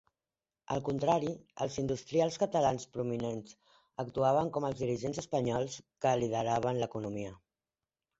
Al contrari, els industrials catalans prominents actuaven com els dirigents espanyols que lideraven l'economia.